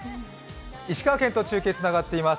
石川県と中継がつながっています。